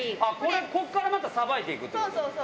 ここからまたさばいていくっそうそうそう。